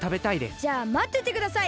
じゃあまっててください！